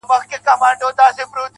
هغې وهلی اووه واري په قرآن هم يم